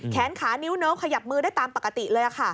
แขนขานิ้วเนิ้วขยับมือได้ตามปกติเลยค่ะ